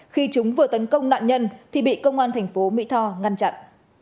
khi chúng vừa tấn công nạn nhân thì bị công an thành phố mỹ tho ngăn chặn